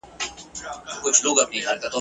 فساد کوونکي تر توافق وروسته اقدام کوي.